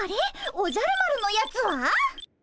おじゃる丸のやつは？